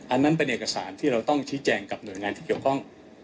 อันนั้นเป็นเอกสารที่เราต้องชี้แจงกับหน่วยงานที่เกี่ยวข้อง